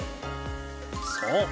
そう。